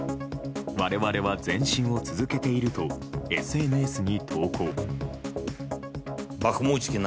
我々は前進を続けているとＳＮＳに投稿。